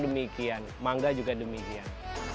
demikian mangga juga demikian